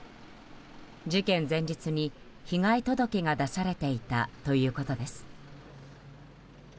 事件前日に被害届が出されていたということです。